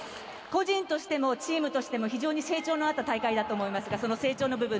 個人としてもチームとしても非常に成長のあった大会だったと思いますがその成長の部分